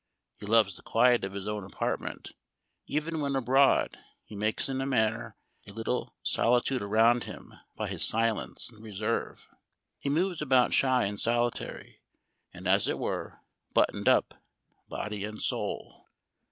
He loves the quiet of his own apartment ; even when abroad, he makes in a manner a little solitude around him by his silence and reserve ; he moves about shy and solitary, and, as it were, buttoned up, body and soul.